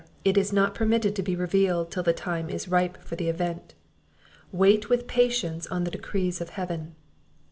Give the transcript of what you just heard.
It is not permitted to be revealed till the time is ripe for the event; wait with patience on the decrees of heaven."